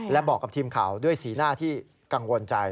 และบอกกับทีมข่าวด้วยสีหน้าที่กังวลใจ